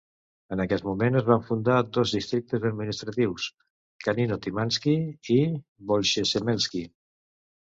En aquest moment, es van fundar dos districtes administratius, Canino-Timansky i Bolshezemelsky.